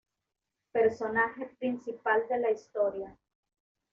Personaje principal de la historia.